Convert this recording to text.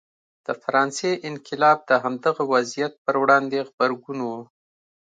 د فرانسې انقلاب د همدغه وضعیت پر وړاندې غبرګون و.